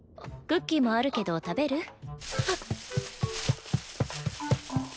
クッキーもあるけど食べる？